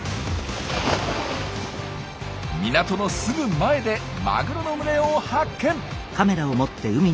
港のすぐ前でマグロの群れを発見！